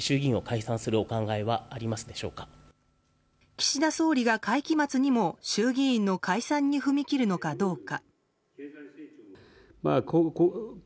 岸田総理が会期末にも衆議院の解散に踏み切るのかどうか。